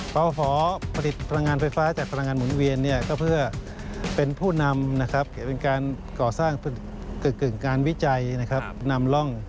หอผลิตพลังงานไฟฟ้าจากพลังงานหมุนเวียนก็เพื่อเป็นผู้นำเป็นการก่อสร้างกึ่งการวิจัยนำร่อง